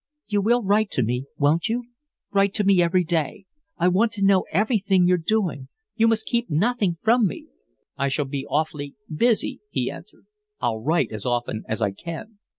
"You will write to me, won't you? Write to me every day. I want to know everything you're doing. You must keep nothing from me." "I shall be awfully, busy" he answered. "I'll write as often as I can."